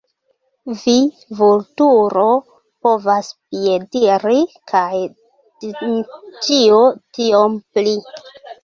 Vi, Vulturo, povas piediri kaj Dmiĉjo tiom pli!